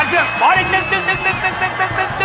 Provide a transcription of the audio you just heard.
ตัดเครื่องเดี๋ยว